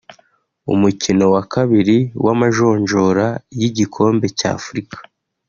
umukino wa kabiri w’amajonjora y’igikombe cy’Afurika